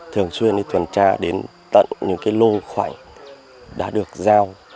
thường xuyên đi tuần tra đến tận những lô khoảnh đã được giao